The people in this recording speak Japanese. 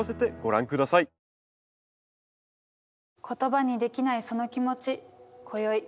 言葉にできないその気持ち今宵